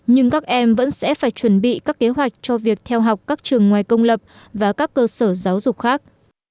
nhưng các em vẫn sẽ phải chuẩn bị các kế hoạch cho việc theo học các trường ngoài công lập và các cơ sở giáo dục khác